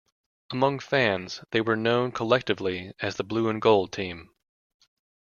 Among fans, they were known collectively as the "Blue and Gold" team.